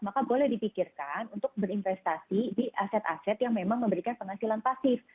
maka boleh dipikirkan untuk berinvestasi di aset aset yang memang memberikan penghasilan pasif